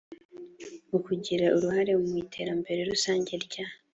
ukagira uruhare mu iterambere rusange rya